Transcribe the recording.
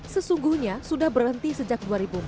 sesungguhnya sudah berhenti sejak dua ribu empat belas